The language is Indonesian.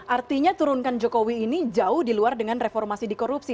artinya turunkan jokowi ini jauh di luar dengan reformasi di korupsi